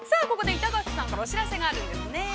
ここで、板垣さんからお知らせがあるんですね。